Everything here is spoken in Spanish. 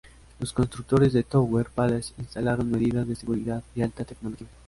Los constructores de Tower Palace instalaron medidas de seguridad de alta tecnología.